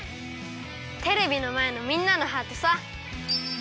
テレビのまえのみんなのハートさ！